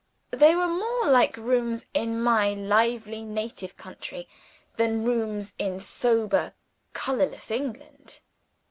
They were more like rooms in my lively native country than rooms in sober colorless England.